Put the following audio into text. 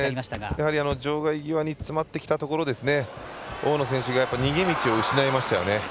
やはり場外際に詰まってきたところ大野選手が逃げ道をなくしてましたよね。